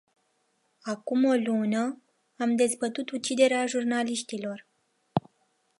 Acum o lună, am dezbătut uciderea jurnaliștilor.